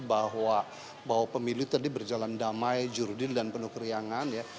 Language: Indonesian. bahwa pemilu tadi berjalan damai jurdil dan penuh keriangan ya